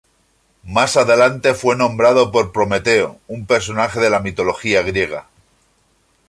Más adelante fue nombrado por Prometeo, un personaje de la mitología griega.